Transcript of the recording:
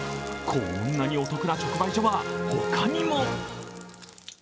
こんなにお得な直売所は他にも。